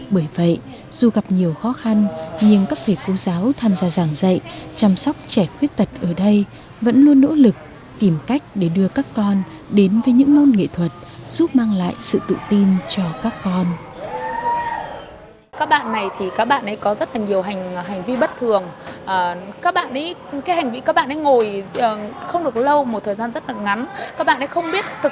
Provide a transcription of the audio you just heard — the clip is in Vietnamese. bởi vậy dù gặp nhiều khó khăn nhưng các thầy cô giáo tham gia giảng dạy chăm sóc trẻ khuyết tật ở đây vẫn luôn nỗ lực kiểm cách để đưa các con đến với những môn nghệ thuật giúp mang lại sự tự tin cho các con